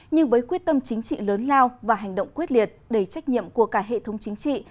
nhưng với quyết tâm chính trị lớn lao và hành động quyết liệt đầy trách nhiệm của cả hệ thống chính trị